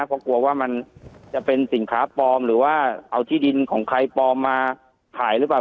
เพราะกลัวว่ามันจะเป็นสินค้าปลอมหรือว่าเอาที่ดินของใครปลอมมาขายหรือเปล่า